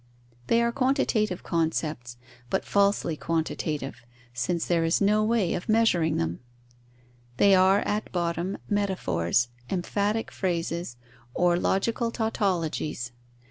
They are quantitative concepts, but falsely quantitative, since there is no way of measuring them; they are, at bottom, metaphors, emphatic phrases, or logical tautologies.